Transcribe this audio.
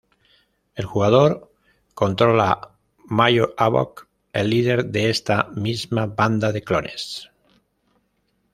El jugador controla Major Havoc, el líder de esta misma banda de clones.